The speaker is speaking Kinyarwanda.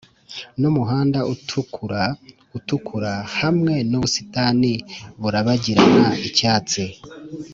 numuhanda utukura utukura hamwe nubusitani burabagirana icyatsi